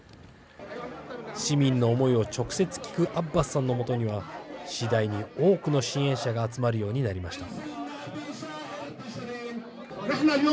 市民の思いを直接聞くアッバスさんのもとには次第に多くの支援者が集まるようになりました。